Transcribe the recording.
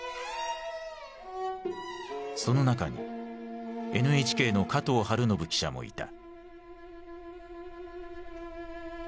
その中にＮＨＫの加藤青延記者もいた。